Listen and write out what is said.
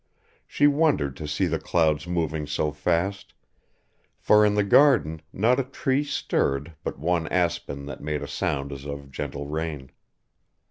She wondered to see the clouds moving so fast, for in the garden not a tree stirred but one aspen that made a sound as of gentle rain.